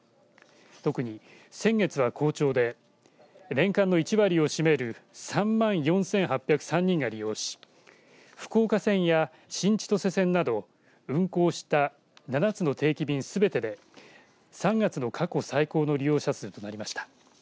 特に先月は好調で年間の１割を占める３万４８０３人が利用し福岡線や新千歳線など運航した７つの定期便すべてで３月の過去最高の利用者数となりました。